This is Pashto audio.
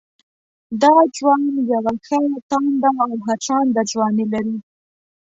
دا ځوان يوه ښه تانده او هڅانده ځواني لري